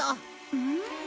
うん？